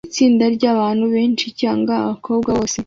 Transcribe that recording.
Itsinda ryabantu (benshi cyangwa abakobwa bose)